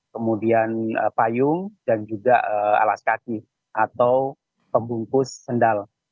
kemudian payung dan juga alas kaki atau pembungkus sendal